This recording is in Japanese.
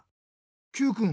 Ｑくん